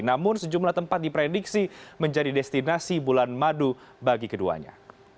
namun sejumlah tempat diprediksi menjadi destinasi bulan madu bagi keduanya